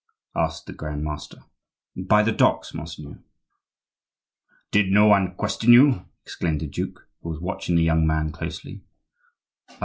asked the grand master. "By the docks, monseigneur." "Did no one question you?" exclaimed the duke, who was watching the young man closely.